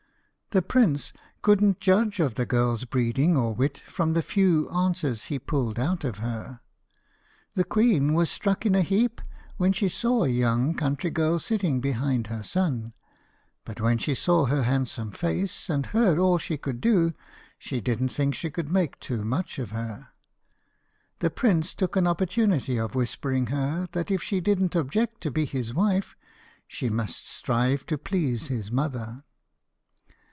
The prince couldn't judge of the girl's breeding or wit from the few answers he pulled out of her. The queen was struck in a heap when she saw a young country girl sitting behind her son, but when she saw her handsome face, and heard all she could do, she didn't think she could make too much of her. The prince took an opportunity of whispering her that if she didn't object to be his wife she must strive to please his mother.